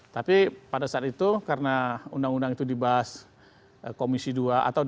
tapi pada saat itu karena undang undang itu dibahas komisi dua atau dua